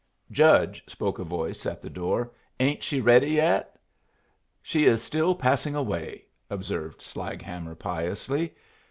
"Judge," spoke a voice at the door, "ain't she ready yet?" "She is still passing away," observed Slaghammer, piously.